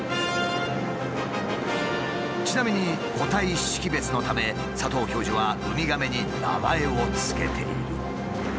ちなみに個体識別のため佐藤教授はウミガメに名前を付けている。